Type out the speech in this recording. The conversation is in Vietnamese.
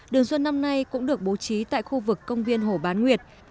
đường xuân năm nay cũng được bố trí tại khu vực công viên hồ bán nguyệt